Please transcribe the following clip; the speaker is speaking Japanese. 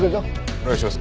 お願いします。